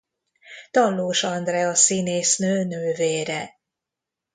Tallós Andrea színésznő nővére.